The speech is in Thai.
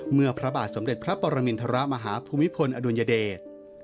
พระบาทสมเด็จพระปรมินทรมาฮภูมิพลอดุลยเดช